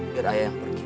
biar ayah yang pergi